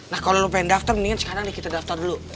nah kalau lo pengen daftar mendingan sekarang nih kita daftar dulu